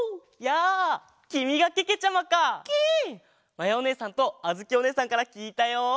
まやおねえさんとあづきおねえさんからきいたよ！